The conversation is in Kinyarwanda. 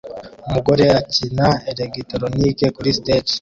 Umugore akina elegitoronike kuri stage